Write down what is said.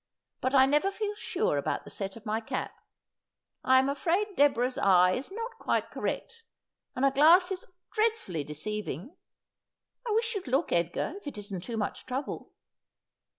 But I never feel sure about the set of my cap. I am afraid Deborah's eye is not quite correct, and a glass is dreadfully deceiving. I wish you'd look, Edgar, if it isn't too much trouble.'